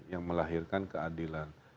yang melahirkan keadilan